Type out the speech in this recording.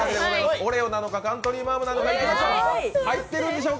オレオなのかカントリーマアムなのか、いきましょう。